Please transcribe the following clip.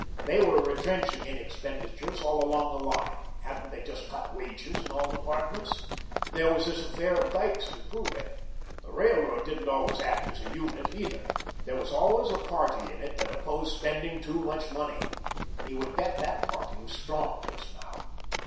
They were retrenching in expenditures all along the line. Hadn't they just cut wages in all departments? There was this affair of Dyke's to prove it. The railroad didn't always act as a unit, either. There was always a party in it that opposed spending too much money. He would bet that party was strong just now.